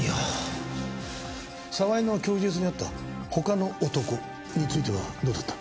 澤井の供述にあった他の男についてはどうだった？